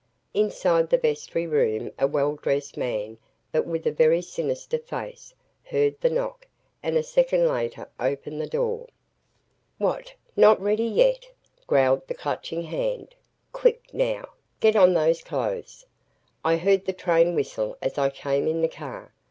Inside the vestry room a well dressed man but with a very sinister face heard the knock and a second later opened the door. "What not ready yet?" growled the Clutching Hand. "Quick now get on those clothes. I heard the train whistle as I came in the car.